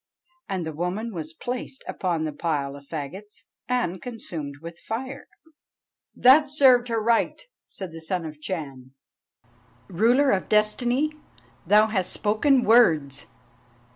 And the woman was placed upon the pile of fagots and consumed with fire." "That served her right!" said the Son of the Chan. "Ruler of Destiny, thou hast spoken words!